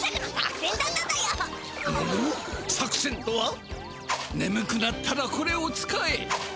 むむっ作せんとは？ねむくなったらこれを使え！